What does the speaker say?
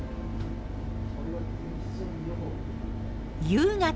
夕方。